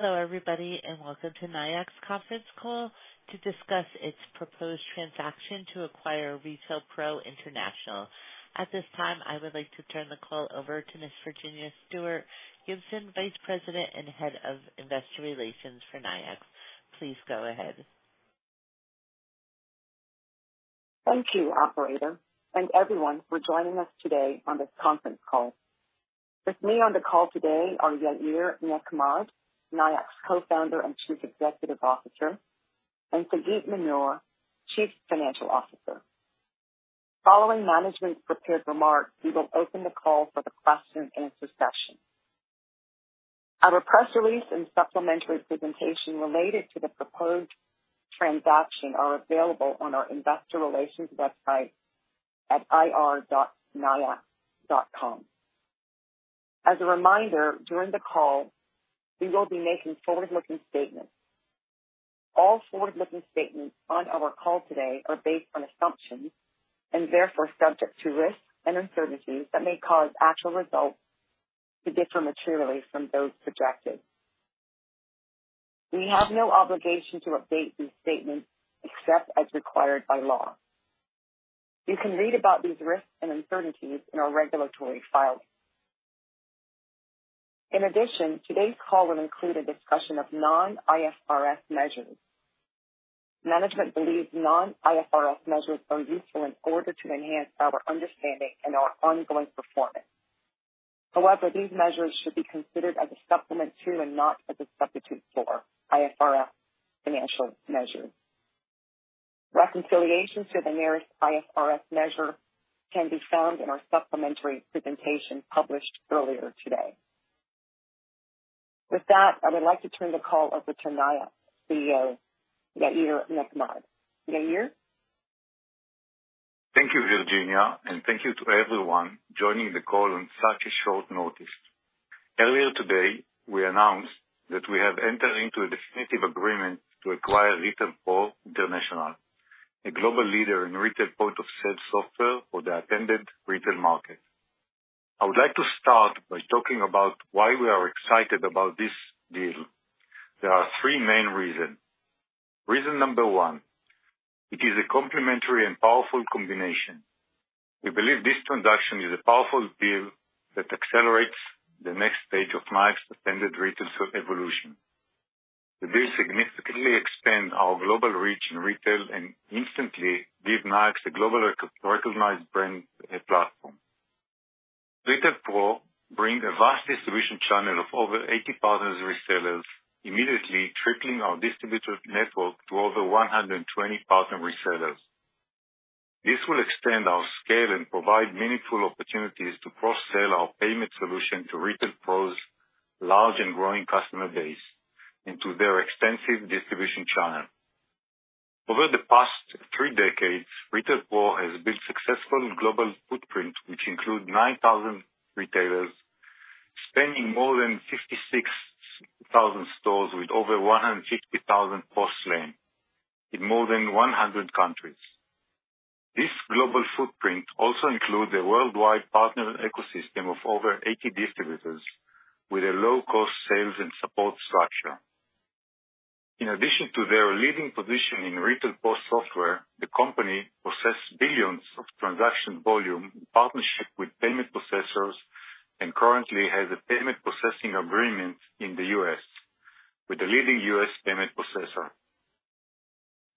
Hello, everybody, and welcome to Nayax conference call to discuss its proposed transaction to acquire Retail Pro International. At this time, I would like to turn the call over to Ms. Virginea Stuart-Gibson, Vice President and Head of Investor Relations for Nayax. Please go ahead. Thank you, operator, and everyone for joining us today on this conference call. With me on the call today are Yair Nechmad, Nayax Co-Founder and Chief Executive Officer, and Sagit Manor, Chief Financial Officer. Following management's prepared remarks, we will open the call for the question and answer session. Our press release and supplementary presentation related to the proposed transaction are available on our investor relations website at ir.nayax.com. As a reminder, during the call, we will be making forward-looking statements. All forward-looking statements on our call today are based on assumptions and therefore subject to risks and uncertainties that may cause actual results to differ materially from those projected. We have no obligation to update these statements except as required by law. You can read about these risks and uncertainties in our regulatory filings. In addition, today's call will include a discussion of non-IFRS measures. Management believes non-IFRS measures are useful in order to enhance our understanding and our ongoing performance. However, these measures should be considered as a supplement to, and not as a substitute for, IFRS financial measures. Reconciliation to the nearest IFRS measure can be found in our supplementary presentation published earlier today. With that, I would like to turn the call over to Nayax CEO, Yair Nechmad. Yair? Thank you, Virginea, and thank you to everyone joining the call on such a short notice. Earlier today, we announced that we have entered into a definitive agreement to acquire Retail Pro International, a global leader in retail point-of-sale software for the attended retail market. I would like to start by talking about why we are excited about this deal. There are three main reasons. Reason number one: it is a complementary and powerful combination. We believe this transaction is a powerful deal that accelerates the next stage of Nayax extended retail evolution. We will significantly expand our global reach in retail and instantly give Nayax a global recognized brand, platform. Retail Pro bring a vast distribution channel of over 80,000 resellers, immediately tripling our distributor network to over 120,000 resellers. This will extend our scale and provide meaningful opportunities to cross-sell our payment solution to Retail Pro's large and growing customer base into their extensive distribution channel. Over the past three decades, Retail Pro has built successful global footprint, which include 9,000 retailers, spanning more than 56,000 stores, with over 150,000 POS lanes in more than 100 countries. This global footprint also includes a worldwide partner ecosystem of over 80 distributors with a low-cost sales and support structure. In addition to their leading position in retail POS software, the company possess billions of transaction volume in partnership with payment processors, and currently has a payment processing agreement in the U.S. with a leading U.S. payment processor.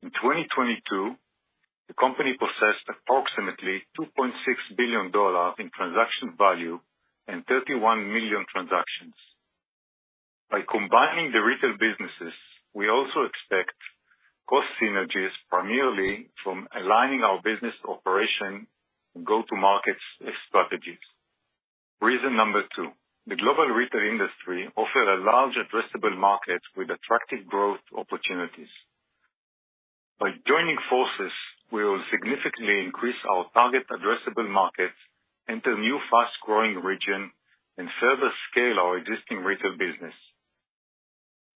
In 2022, the company processed approximately $2.6 billion in transaction value and 31 million transactions. By combining the retail businesses, we also expect cost synergies, primarily from aligning our business operation go-to markets strategies. Reason number two: the global retail industry offers a large addressable market with attractive growth opportunities. By joining forces, we will significantly increase our target addressable market, enter new, fast-growing region, and further scale our existing retail business.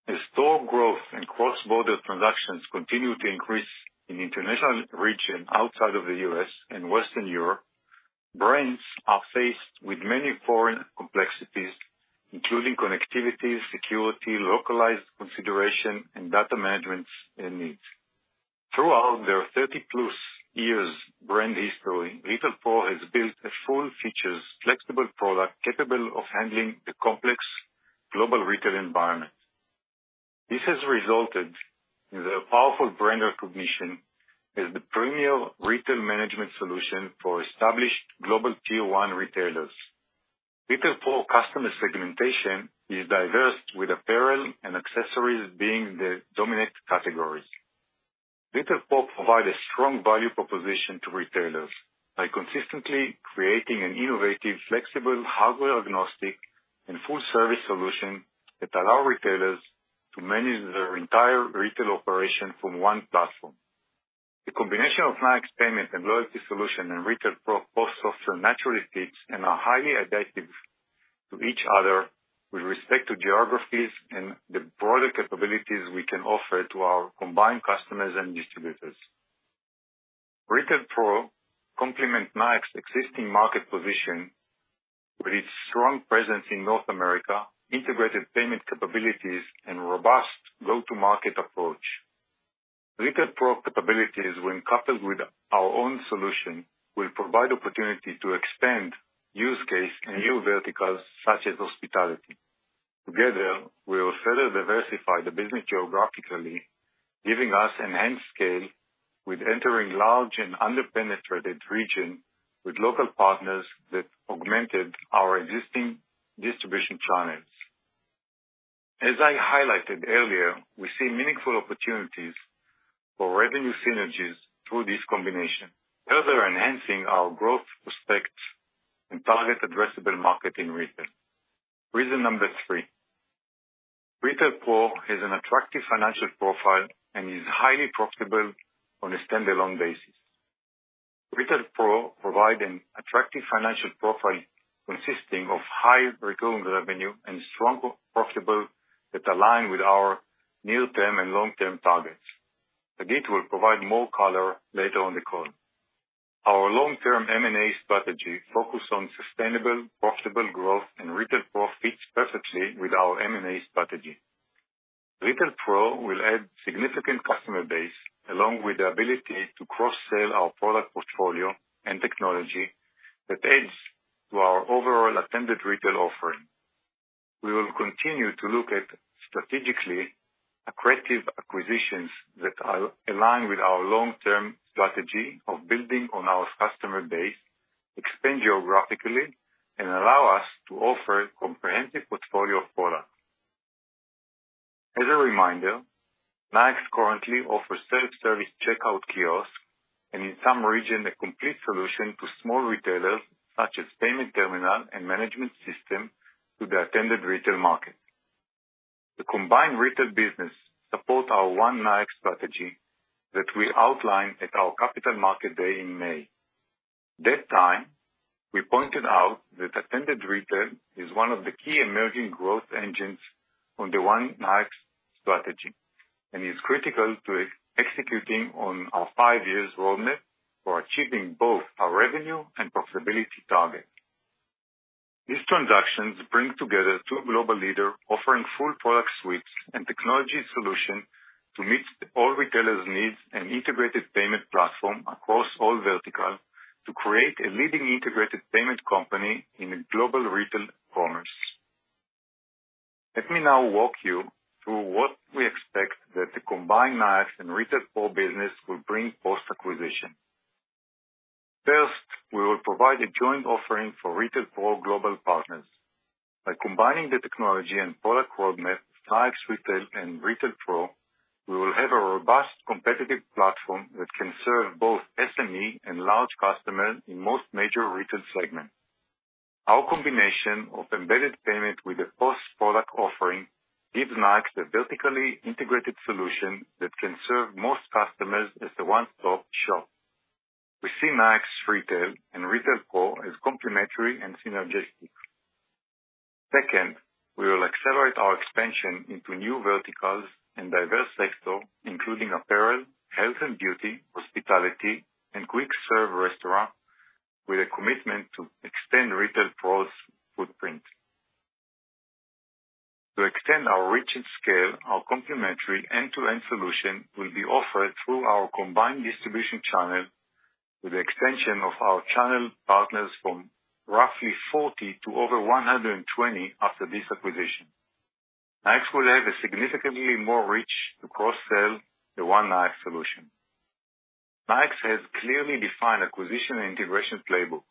As store growth and cross-border transactions continue to increase in international region outside of the U.S. and Western Europe, brands are faced with many foreign complexities, including connectivity, security, localized consideration, and data management and needs. Throughout their 30-plus years brand history, Retail Pro has built a full features, flexible product, capable of handling the complex global retail environment. This has resulted in a powerful brand recognition as the premier retail management solution for established global tier-one retailers. Retail Pro customer segmentation is diverse, with apparel and accessories being the dominant categories. Retail Pro provides a strong value proposition to retailers by consistently creating an innovative, flexible, hardware-agnostic and full service solution that allows retailers to manage their entire retail operation from one platform. The combination of Nayax payment and loyalty solution and Retail Pro POS software naturally fits and are highly adaptive to each other with respect to geographies and the broader capabilities we can offer to our combined customers and distributors. Retail Pro complements Nayax existing market position with its strong presence in North America, integrated payment capabilities, and robust go-to-market approach. Retail Pro capabilities, when coupled with our own solution, will provide opportunity to extend use case and new verticals, such as hospitality. Together, we will further diversify the business geographically, giving us enhanced scale with entering large and under-penetrated region with local partners that augmented our existing distribution channels. As I highlighted earlier, we see meaningful opportunities for revenue synergies through this combination, further enhancing our growth prospects and target addressable market in retail. Reason number three, Retail Pro has an attractive financial profile and is highly profitable on a standalone basis. Retail Pro provide an attractive financial profile consisting of high recurring revenue and strong profitable that align with our near-term and long-term targets. Again, we'll provide more color later on the call. Our long-term M&A strategy focus on sustainable, profitable growth, and Retail Pro fits perfectly with our M&A strategy. Retail Pro will add significant customer base, along with the ability to cross-sell our product portfolio and technology that adds to our overall attended retail offering. We will continue to look at strategically accretive acquisitions that are aligned with our long-term strategy of building on our customer base, expand geographically, and allow us to offer a comprehensive portfolio of products. As a reminder, Nayax currently offers self-service checkout kiosk, and in some region, a complete solution to small retailers such as payment terminal and management system to the attended retail market. The combined retail business support our One Nayax strategy that we outlined at our Capital Markets Day in May. That time, we pointed out that attended retail is one of the key emerging growth engines on the One Nayax strategy, and is critical to executing on our five-year roadmap for achieving both our revenue and profitability target. These transactions bring together two global leaders, offering full product suites and technology solutions to meet all retailers' needs, and integrated payment platform across all verticals to create a leading integrated payment company in the global retail commerce. Let me now walk you through what we expect that the combined Nayax and Retail Pro business will bring post-acquisition. First, we will provide a joint offering for Retail Pro global partners. By combining the technology and product roadmap, Nayax Retail and Retail Pro, we will have a robust competitive platform that can serve both SME and large customers in most major retail segments. Our combination of embedded payment with a POS product offering gives Nayax a vertically integrated solution that can serve most customers as a one-stop shop. We see Nayax Retail and Retail Pro as complementary and synergistic. Second, we will accelerate our expansion into new verticals and diverse sector, including apparel, health and beauty, hospitality, and quick-serve restaurant, with a commitment to extend Retail Pro's footprint. To extend our reach and scale, our complementary end-to-end solution will be offered through our combined distribution channel, with the extension of our channel partners from roughly 40 to over 120 after this acquisition. Nayax will have a significantly more reach to cross-sell the One Nayax solution. Nayax has clearly defined acquisition and integration playbook,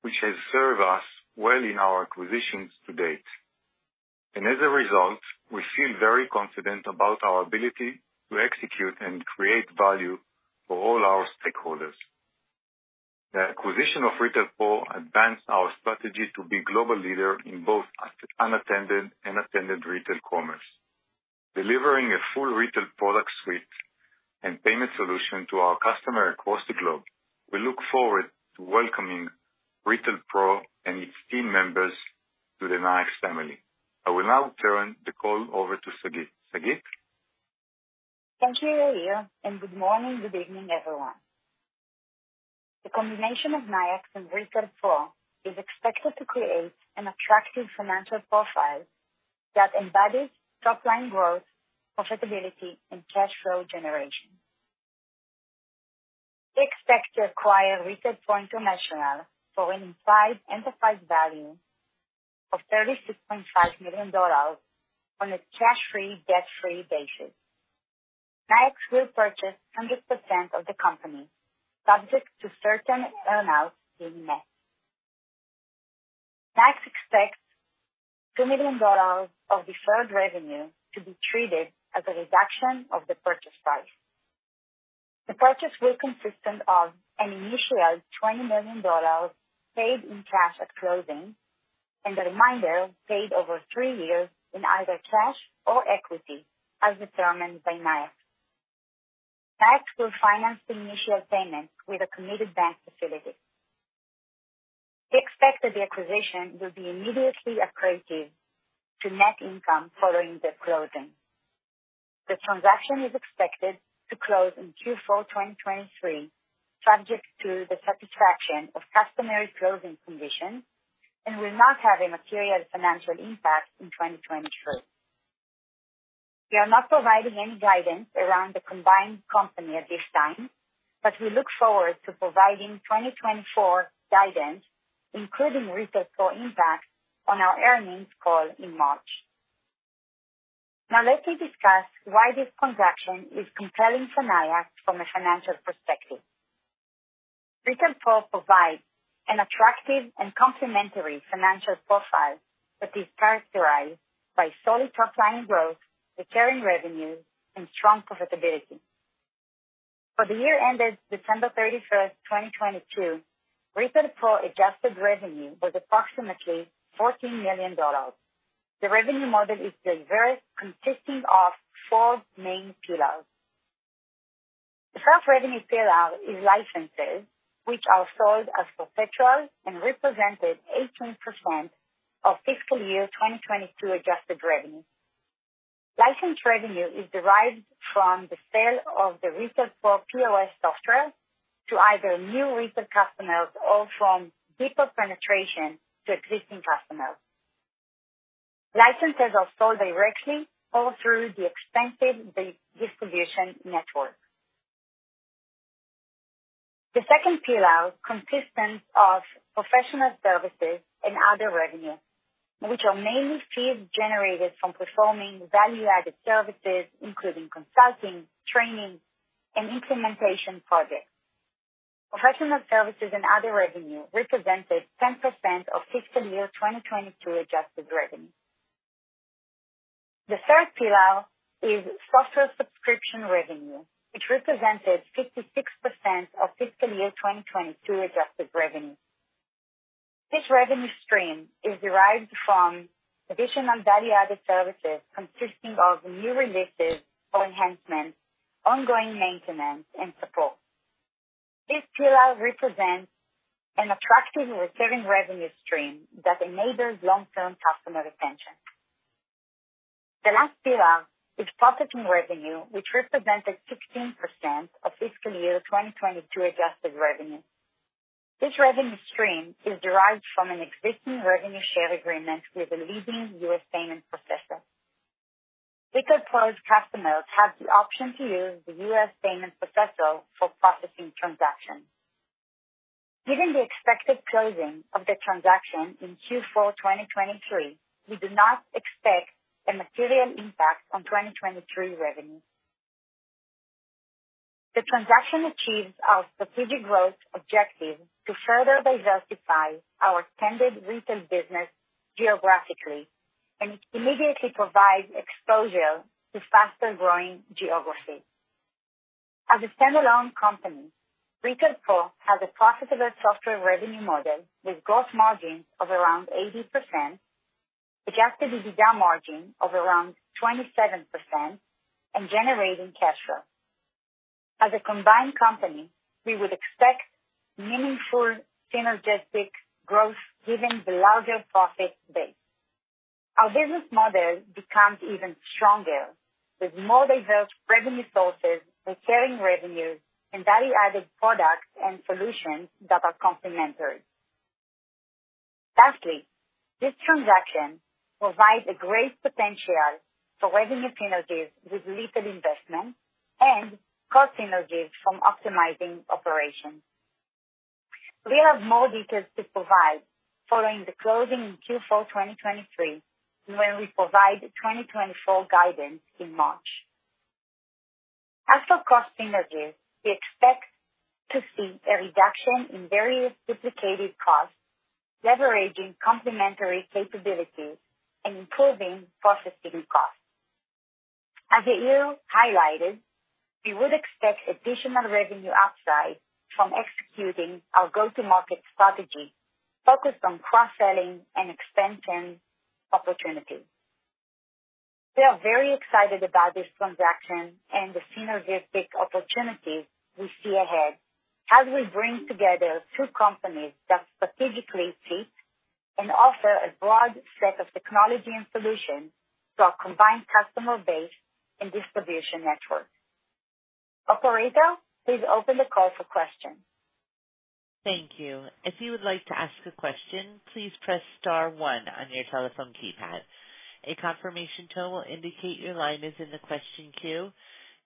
which has served us well in our acquisitions to date, and as a result, we feel very confident about our ability to execute and create value for all our stakeholders. The acquisition of Retail Pro advanced our strategy to be global leader in both unattended and attended retail commerce, delivering a full retail product suite and payment solution to our customer across the globe. We look forward to welcoming Retail Pro and its team members to the Nayax family. I will now turn the call over to Sagit. Sagit? Thank you, Yair, and good morning, good evening, everyone. The combination of Nayax and Retail Pro is expected to create an attractive financial profile that embodies top line growth, profitability, and cash flow generation. We expect to acquire Retail Pro International for an implied enterprise value of $36.5 million on a cash-free, debt-free basis. Nayax will purchase 100% of the company, subject to certain earn-outs being met. Nayax expects $2 million of deferred revenue to be treated as a reduction of the purchase price. The purchase will consist of an initial $20 million paid in cash at closing, and the remainder paid over three years in either cash or equity, as determined by Nayax. Nayax will finance the initial payment with a committed bank facility. We expect that the acquisition will be immediately accretive to net income following the closing. The transaction is expected to close in Q4 2023, subject to the satisfaction of customary closing conditions and will not have a material financial impact in 2023. We are not providing any guidance around the combined company at this time, but we look forward to providing 2024 guidance, including Retail Pro impact, on our earnings call in March. Now let me discuss why this transaction is compelling for Nayax from a financial perspective. Retail Pro provides an attractive and complementary financial profile that is characterized by solid top-line growth, recurring revenue, and strong profitability. For the year ended December 31st, 2022, Retail Pro adjusted revenue was approximately $14 million. The revenue model is diverse, consisting of four main pillars. The first revenue pillar is licenses, which are sold as perpetual and represented 18% of fiscal year 2022 adjusted revenue. License revenue is derived from the sale of the Retail Pro POS software to either new retail customers or from deeper penetration to existing customers. Licenses are sold directly or through the extensive distribution network. The second pillar consists of professional services and other revenue, which are mainly fees generated from performing value-added services, including consulting, training, and implementation projects. Professional services and other revenue represented 10% of fiscal year 2022 adjusted revenue. The third pillar is software subscription revenue, which represented 56% of fiscal year 2022 adjusted revenue. This revenue stream is derived from additional value-added services consisting of new releases or enhancements, ongoing maintenance, and support. This pillar represents an attractive recurring revenue stream that enables long-term customer retention. The last pillar is processing revenue, which represented 16% of fiscal year 2022 adjusted revenue. This revenue stream is derived from an existing revenue share agreement with a leading U.S. payment processor. Retail Pro's customers have the option to use the U.S. payment processor for processing transactions. Given the expected closing of the transaction in Q4 2023, we do not expect a material impact on 2023 revenue. The transaction achieves our strategic growth objective to further diversify our standard retail business geographically, and it immediately provides exposure to faster growing geographies. As a standalone company, Retail Pro has a profitable software revenue model with gross margins of around 80%, Adjusted EBITDA margin of around 27%, and generating cash flow. As a combined company, we would expect meaningful synergetic growth, given the larger profit base. Our business model becomes even stronger, with more diverse revenue sources, recurring revenues, and value-added products and solutions that are complementary. Lastly, this transaction provides a great potential for revenue synergies with little investment and cost synergies from optimizing operations. We have more details to provide following the closing in Q4 2023, when we provide 2024 guidance in March. As for cost synergies, we expect to see a reduction in various duplicated costs, leveraging complementary capabilities, and improving processing costs. As Yair highlighted, we would expect additional revenue upside from executing our go-to-market strategy focused on cross-selling and expansion opportunities. We are very excited about this transaction and the synergistic opportunities we see ahead as we bring together two companies that strategically fit and offer a broad set of technology and solutions to our combined customer base and distribution network. Operator, please open the call for questions. Thank you. If you would like to ask a question, please press star one on your telephone keypad. A confirmation tone will indicate your line is in the question queue.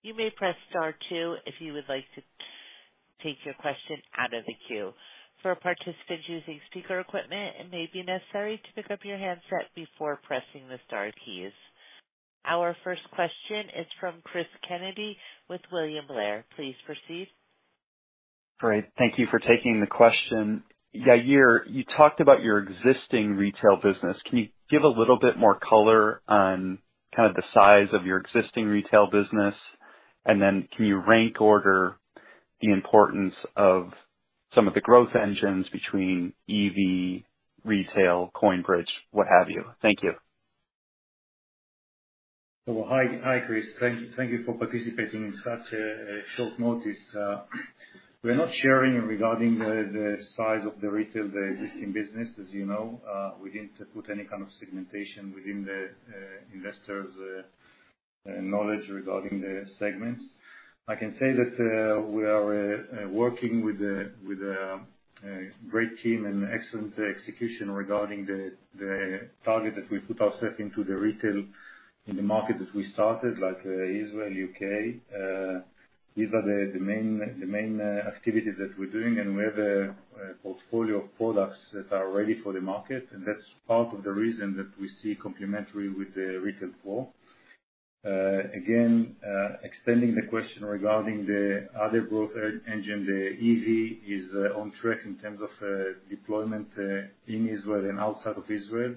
You may press star two if you would like to take your question out of the queue. For participants using speaker equipment, it may be necessary to pick up your handset before pressing the star keys. Our first question is from Cris Kennedy with William Blair. Please proceed. Great. Thank you for taking the question. Yair, you talked about your existing retail business. Can you give a little bit more color on kind of the size of your existing retail business? And then can you rank order the importance of some of the growth engines between EV, retail, CoinBridge, what have you? Thank you. ... So, hi, Cris. Thank you for participating on such a short notice. We're not sharing regarding the size of the retail existing business, as you know. We didn't put any kind of segmentation within the investors' knowledge regarding the segments. I can say that we are working with a great team and excellent execution regarding the target that we put ourselves into the retail in the market that we started, like Israel, U.K.. These are the main activities that we're doing, and we have a portfolio of products that are ready for the market, and that's part of the reason that we see complementary with the Retail Pro. Again, extending the question regarding the other growth engine, the EV is on track in terms of deployment in Israel and outside of Israel.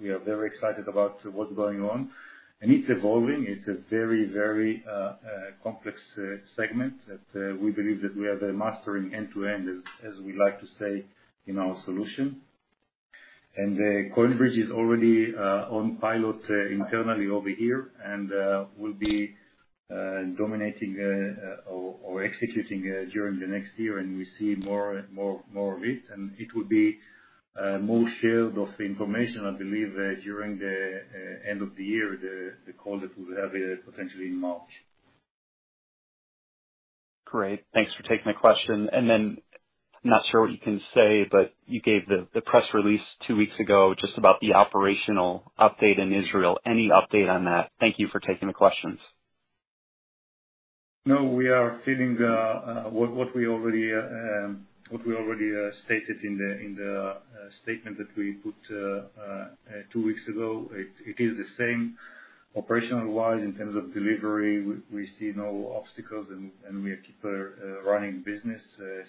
We are very excited about what's going on, and it's evolving. It's a very, very complex segment that we believe that we are mastering end-to-end, as we like to say, in our solution. CoinBridge is already on pilot internally over here, and will be dominating or executing during the next year. We see more of it. It will be more shared of the information, I believe, during the end of the year, the call that we'll have potentially in March. Great. Thanks for taking my question. Then, not sure what you can say, but you gave the press release two weeks ago, just about the operational update in Israel. Any update on that? Thank you for taking the questions. No, we are feeling what we already stated in the statement that we put two weeks ago. It is the same operational-wise. In terms of delivery, we see no obstacles and we keep running business,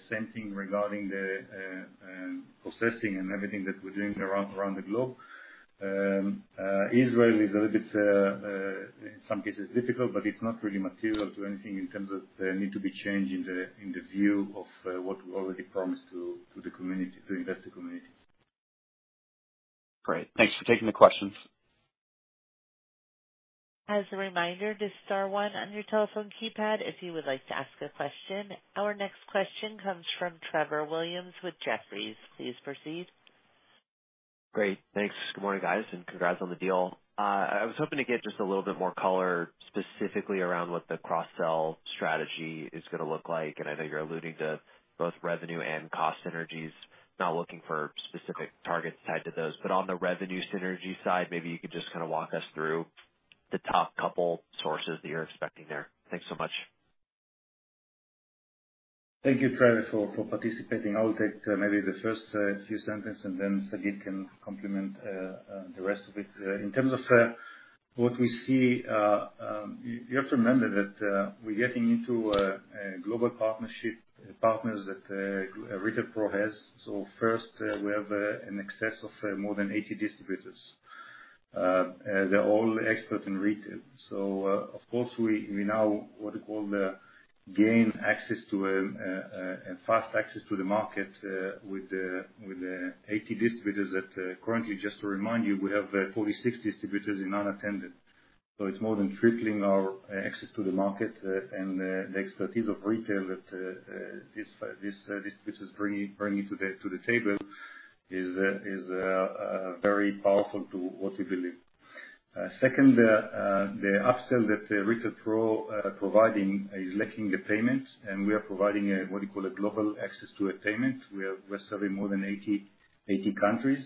same thing regarding the processing and everything that we're doing around the globe. Israel is a little bit in some cases difficult, but it's not really material to anything in terms of the need to be changed in the view of what we already promised to the community, to investor community. Great. Thanks for taking the questions. As a reminder to star one on your telephone keypad if you would like to ask a question. Our next question comes from Trevor Williams with Jefferies. Please proceed. Great. Thanks. Good morning, guys, and congrats on the deal. I was hoping to get just a little bit more color, specifically around what the cross-sell strategy is gonna look like. I know you're alluding to both revenue and cost synergies. Not looking for specific targets tied to those, but on the revenue synergy side, maybe you could just kind of walk us through the top couple sources that you're expecting there. Thanks so much. Thank you, Trevor, for participating. I will take maybe the first few sentence and then Sagit can complement the rest of it. In terms of what we see, you have to remember that we're getting into a global partnership, partners that Retail Pro has. So first, we have in excess of more than 80 distributors. They're all expert in retail. So, of course, we now, what you call, gain access to a fast access to the market with the 80 distributors that currently, just to remind you, we have 46 distributors in unattended. So it's more than tripling our access to the market. And the expertise of retail that this is bringing to the table is very powerful to what we believe. Second, the upsell that Retail Pro providing is lacking the payments, and we are providing a, what you call a global access to a payment. We are serving more than 80 countries.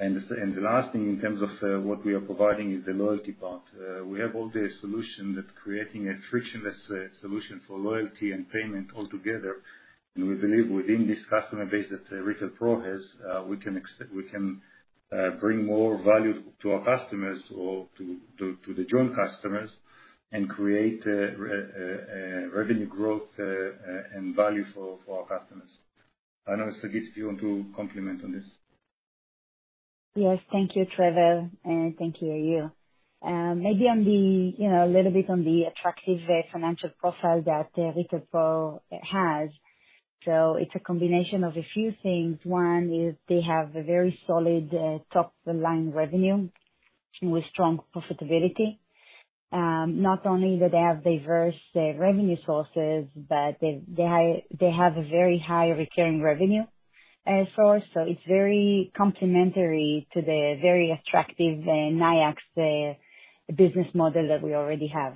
And the last thing, in terms of what we are providing, is the loyalty part. We have all the solution that's creating a frictionless solution for loyalty and payment altogether. And we believe within this customer base that Retail Pro has, we can bring more value to our customers or to the joint customers, and create a revenue growth and value for our customers. I don't know, Sagit, do you want to comment on this? Yes. Thank you, Trevor, and thank you, Yair. Maybe on the, you know, a little bit on the attractive financial profile that Retail Pro has. So it's a combination of a few things. One is they have a very solid top-line revenue with strong profitability. Not only that they have diverse revenue sources, but they have a very high recurring revenue source, so it's very complementary to the very attractive Nayax business model that we already have.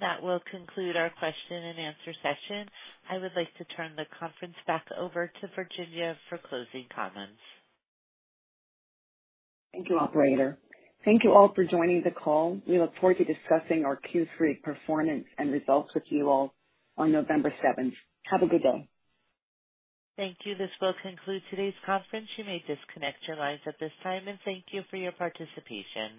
That will conclude our question and answer session. I would like to turn the conference back over to Virginea for closing comments. Thank you, operator. Thank you all for joining the call. We look forward to discussing our Q3 performance and results with you all on November 7th. Have a good day. Thank you. This will conclude today's conference. You may disconnect your lines at this time, and thank you for your participation.